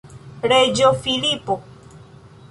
Reĝo Filipo.